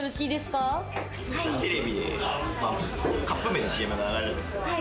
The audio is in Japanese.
テレビでカップ麺のＣＭが流れたんですよ。